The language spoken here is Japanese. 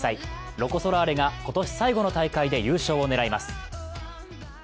ロコ・ソラーレが今年最後の大会で優勝を狙います。